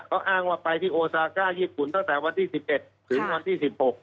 เขาอ้างว่าไปที่โอซาก้าญี่ปุ่นตั้งแต่วันที่๑๑ถึงวันที่๑๖